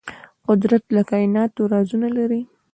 قدرت د کائناتو رازونه لري.